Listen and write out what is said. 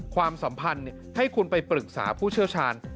ความสัมพันธ์ให้คุณไปปรึกษาผู้เชี่ยวชาญ